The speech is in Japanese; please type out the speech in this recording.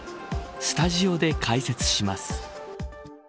スタジオで解説します。